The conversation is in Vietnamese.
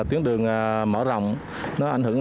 tiến đường mở rộng nó ảnh hưởng